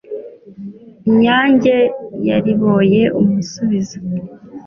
inyange yariboye umusubizo